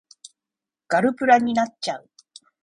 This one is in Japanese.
ガルプラになっちゃう